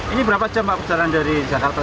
ini berapa jam pak perjalanan dari jakarta